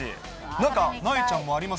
なんか、なえちゃんもあります？